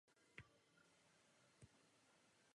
Původním povoláním je právník.